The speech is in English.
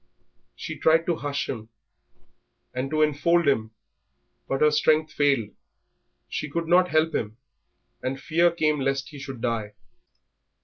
She tried to hush him and to enfold him, but her strength failed, she could not help him, and fear came lest he should die.